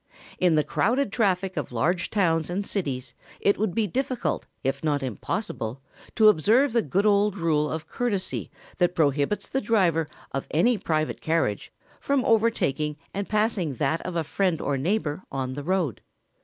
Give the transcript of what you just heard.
In the crowded traffic of large towns and cities it would be difficult, if not impossible, to observe the good old rule of courtesy that prohibits the driver of any private carriage from overtaking and passing that of a friend or neighbour on the road.